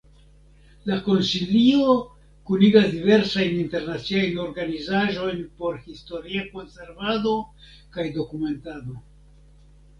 La konsilio kunigas diversajn internaciajn organizaĵojn por historia konservado kaj dokumentado.